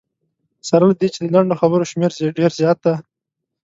سره له دې چې د لنډو خبرو شمېر ډېر زیات دی.